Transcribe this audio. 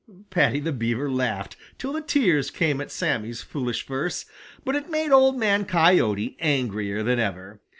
Paddy the Beaver laughed till the tears came at Sammy's foolish verse, but it made Old Man Coyote angrier than ever.